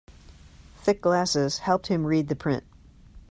Thick glasses helped him read the print.